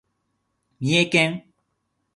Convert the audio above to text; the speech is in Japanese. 三重県